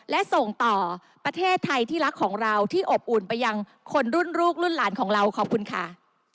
และส่งต่อประเทศไทยที่รักของเราที่อบอุ่นไปยังคนรุ่นลูกรุ่นหลานของเราขอบคุณค่ะ